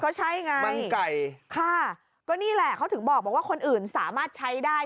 ก็ใช่ไงมันไก่ค่ะก็นี่แหละเขาถึงบอกว่าคนอื่นสามารถใช้ได้